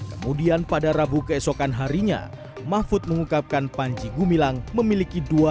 kemudian pada rabu keesokan harinya mahfud mengucapkan panji gumilang memiliki dua ratus delapan puluh sembilan rekening bank